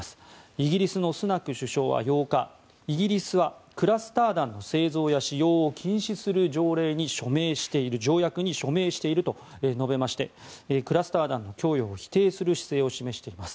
イギリスのスナク首相は８日イギリスはクラスター弾の製造や使用を禁止する条約に署名していると述べましてクラスター弾の供与を否定する姿勢を示しています。